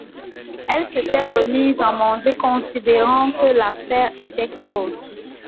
Elle s’était remise à manger, considérant que l’affaire était close.